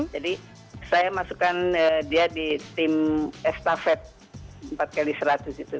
jadi saya masukkan dia di tim estafet empat x seratus gitu